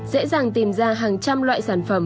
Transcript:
dễ dàng tìm ra hàng trăm loại sản phẩm